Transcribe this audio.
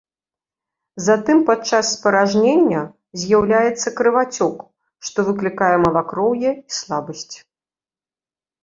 Затым падчас спаражнення з'яўляецца крывацёк, што выклікае малакроўе і слабасць.